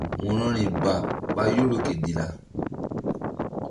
Wo̧rori ba ɓa Yoro ke Dilla.